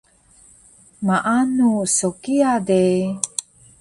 Maanu so kiya de